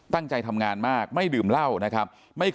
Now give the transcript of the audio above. ตั้งใจทำงานมากไม่ดื่มเหล้านะครับ